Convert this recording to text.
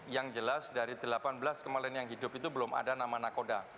yang jelas dari delapan belas kemarin yang hidup itu belum ada nama nakoda